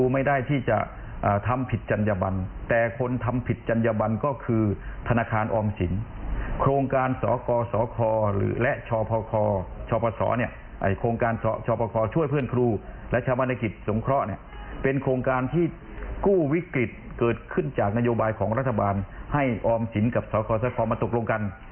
ให้ออมสินกับสาวขอสะครมาตกลงกัน